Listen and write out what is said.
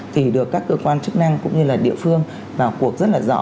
thì được các cơ quan chức năng cũng như là địa phương vào cuộc rất là rõ